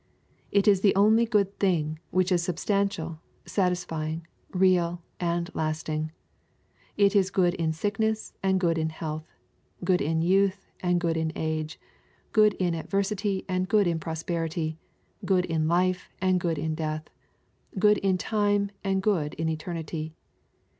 It is the only good thing which is substantial, satisfying, real, and lasting. It is good in sickness and good in health — good in youth and good in age, — good in adver sity and good in prosperity, — ^good in life and good in death, — good in time and good in eternity.